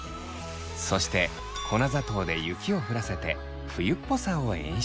そして粉砂糖で雪を降らせて冬っぽさを演出。